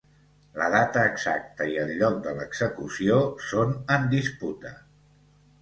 La data exacta i el lloc de l'execució són en disputa.